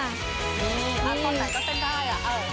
ถ้าคนไหนก็เต้นได้